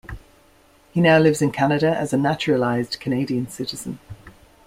He now lives in Canada as a naturalized Canadian citizen.